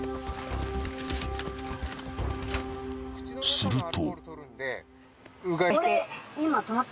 ［すると］